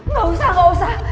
gak usah gak usah